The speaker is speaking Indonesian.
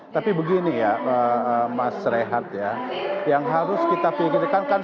terima kasih pak